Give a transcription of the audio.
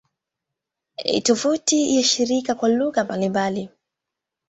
Tovuti ya shirika kwa lugha mbalimbali